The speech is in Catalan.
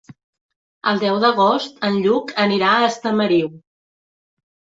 El deu d'agost en Lluc anirà a Estamariu.